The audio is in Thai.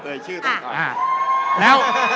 เอ่ยเอาชื่ออะ